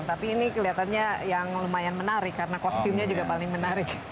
tapi ini kelihatannya yang lumayan menarik karena kostumnya juga paling menarik